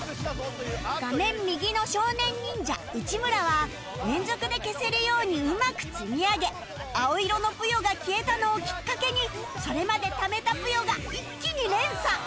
画面右の少年忍者内村は連続で消せるようにうまく積み上げ青色のぷよが消えたのをきっかけにそれまでためたぷよが一気に連鎖